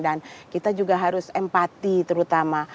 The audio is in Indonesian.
dan kita juga harus empati terutama